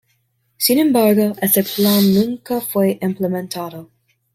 Sin embargo, ese plan nunca fue implementado.